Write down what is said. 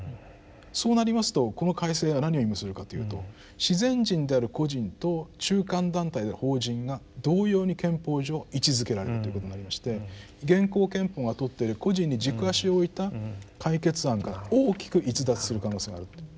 そうなりますとこの改正は何を意味するかというと自然人である個人と中間団体である法人が同様に憲法上位置づけられるということになりまして現行憲法がとってる個人に軸足を置いた解決案から大きく逸脱する可能性があるということですね。